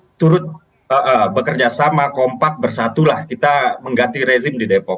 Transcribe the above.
karena nanti partai partai nasionalis ya itu turut bekerja sama kompak bersatulah kita mengganti rezim di depok